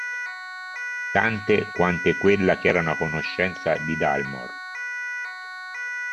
Tante quante quella che erano a conoscenza di Dalmor.